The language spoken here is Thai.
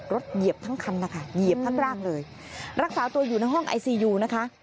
เหยียบทั้งคันนะคะเหยียบทั้งร่างเลยรักษาตัวอยู่ในห้องไอซียูนะคะ